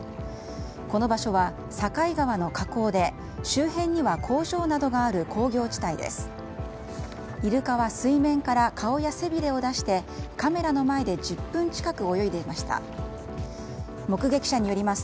この場所は境川の河口で周辺には工場などがある工業地帯です。